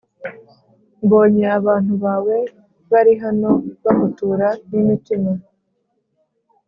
mbonye abantu bawe bari hano bagutura n imitima